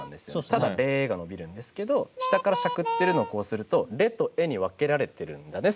ただ「れ」が伸びるんですけど下からしゃくってるのをこうすると「れ」と「え」に分けられてるんだね